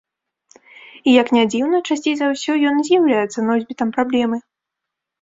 І, як не дзіўна, часцей за ўсё ён і з'яўляецца носьбітам праблемы.